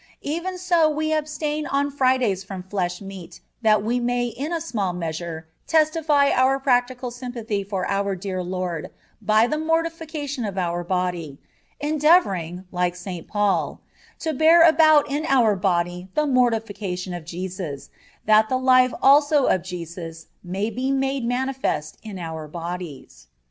Even so we abstain on Fridays from flesh meat that we may in a small measure testify our practical sympathy for our dear Lord by the mortification of our body, endeavoring, like St. Paul, "to bear about in our body the mortification of Jesus, that the life also of Jesus may be made manifest in our bodies."